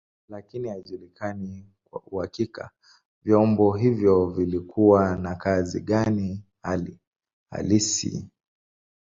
Lakini haijulikani kwa uhakika vyombo hivyo vilikuwa na kazi gani hali halisi.